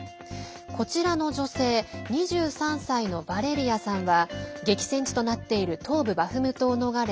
こちらの女性２３歳のヴァレリアさんは激戦地となっている東部バフムトを逃れ